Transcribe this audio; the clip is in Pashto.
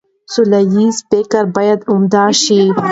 سوله ييز فکر بايد عام شي.